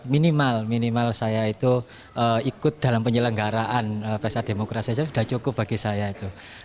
minimal minimal saya itu ikut dalam penyelenggaraan pesta demokrasi saja sudah cukup bagi saya itu